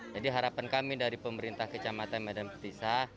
jadi harapan kami dari pemerintah kecamatan medan petisa